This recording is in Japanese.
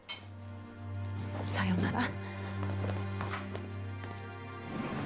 さようなら。